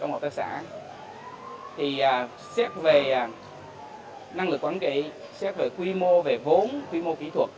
hợp tác xã thì xét về năng lực quản trị xét về quy mô về vốn quy mô kỹ thuật